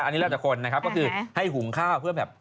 อันนี้แล้วแต่คนนะครับก็คือให้หุงข้าวเพื่อแบบ